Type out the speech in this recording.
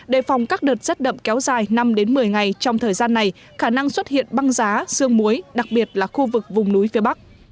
đề phòng các đợt rét đậm kéo dài năm một mươi ngày trong thời gian này khả năng xuất hiện băng giá xương muối đặc biệt là khu vực vùng núi phía bắc